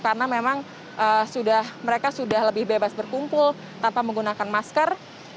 karena memang mereka sudah lebih bebas berkumpul tanpa menggunakan masker